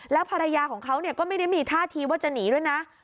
แล้วภรรยาของเขาก็ไม่ได้มีท่าทีว่าจะหนีด้วยนะ